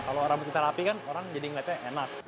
kalau rambut kita rapi kan orang jadi ngeliatnya enak